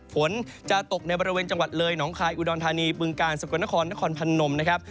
ฝนจะตกในบริเวณจังหวัดเลยหนองคายอุดรธานีบึงกาลสกลนครนครพนมนะครับ